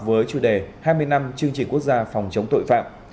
với chủ đề hai mươi năm chương trình quốc gia phòng chống tội phạm